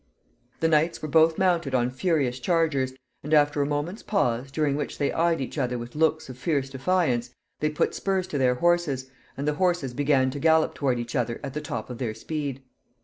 ] The knights were both mounted on furious chargers; and, after a moment's pause, during which they eyed each other with looks of fierce defiance, they put spurs to their horses, and the horses began to gallop toward each other at the top of their speed.